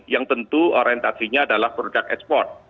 yang tentu orientasinya adalah produk ekspor